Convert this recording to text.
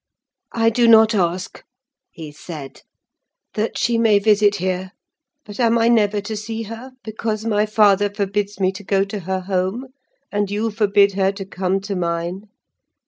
"I do not ask," he said, "that she may visit here; but am I never to see her, because my father forbids me to go to her home, and you forbid her to come to mine?